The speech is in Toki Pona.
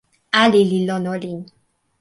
ali li lon olin.